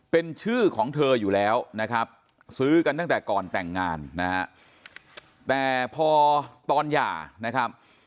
เป็นชื่อของเธออยู่แล้วนะครับซื้อกันตั้งแต่ก่อนแต่งงานนะฮะแต่พอตอนหย่านะครับ